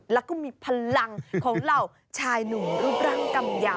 แล้วก็มีพลังของเหล่าชายหนุ่มรูปร่างกำยาว